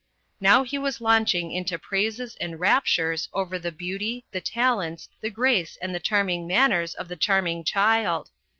Now he was launching into praises and raptures over the beauty, the talents, the grace and the charming manners of the charming child.